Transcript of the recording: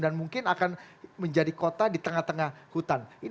mungkin akan menjadi kota di tengah tengah hutan